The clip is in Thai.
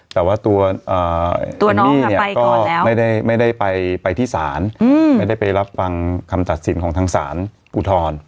แต่ว่าตัวเอมมี่เนี่ยก็ไม่ได้ไปที่ศาลไม่ได้ไปรับฟังคำตัดสินของทางศาลอุทธร